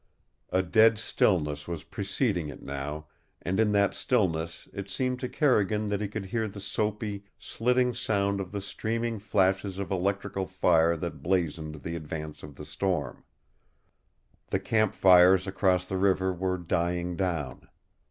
A dead stillness was preceding it now, and in that stillness it seemed to Carrigan that he could hear the soapy, slitting sound of the streaming flashes of electrical fire that blazoned the advance of the storm. The camp fires across the river were dying down.